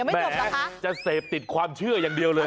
แหมจะเสพติดความเชื่ออย่างเดียวเลย